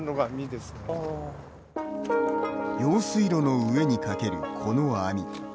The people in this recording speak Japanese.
用水路の上にかけるこの網。